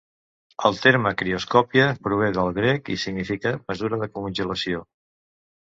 El terme crioscòpia prové del grec i significa "mesura de congelació".